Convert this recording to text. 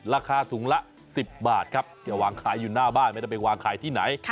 ราคาถุงละ๑๐บาทครับอย่าวางขายอยู่หน้าบ้านไม่ได้ไปวางขายที่ไหน